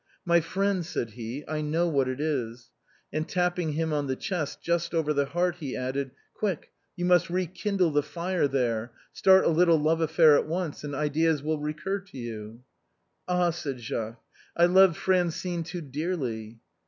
" My friend," said he ;" I know what it is," and tapping him on the chest just over the heart he added, "Quick, you must rekindle the fire there, start a little love affair at once, and ideas will recur to you." "Ah !" said Jacques, " I loved Francine too dearly."